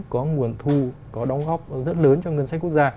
có nguồn thu có đóng góp rất lớn cho ngân sách quốc gia